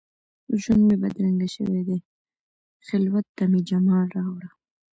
ژوند مي بدرنګ شوی دي، خلوت ته مي جمال راوړه